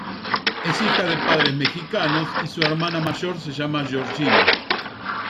Es hija de padres mexicanos y su hermana mayor se llama Georgina.